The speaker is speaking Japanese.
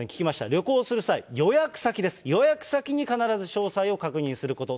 旅行する際、予約先です、予約先に必ず詳細を確認すること。